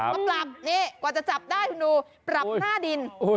มาปรับนี่กว่าจะจับได้คุณดูปรับหน้าดิน